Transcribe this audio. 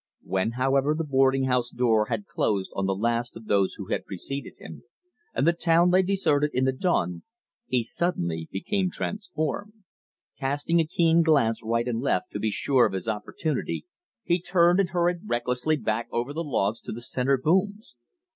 When, however, the boarding house door had closed on the last of those who preceded him, and the town lay deserted in the dawn, he suddenly became transformed. Casting a keen glance right and left to be sure of his opportunity, he turned and hurried recklessly back over the logs to the center booms.